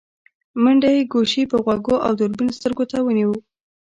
په منډه يې ګوشي په غوږو او دوربين سترګو ته ونيو.